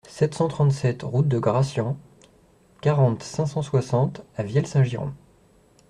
sept cent trente-sept route de Gracian, quarante, cinq cent soixante à Vielle-Saint-Girons